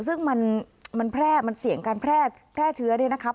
ซึ่งมันแพร่เสี่ยงการแพร่เชื้อได้นะครับ